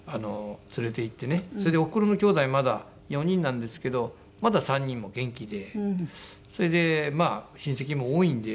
それでおふくろのきょうだいまだ４人なんですけどまだ３人も元気でそれでまあ親戚も多いんで。